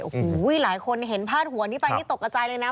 โอ้โหหลายคนเห็นพาดหัวนี้ไปนี่ตกกระใจเลยนะ